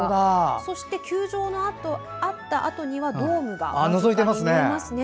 そして球場のあった跡にはドームが見えますね。